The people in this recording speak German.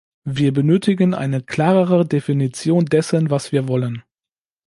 Wir benötigen eine klarere Definition dessen, was wir wollen!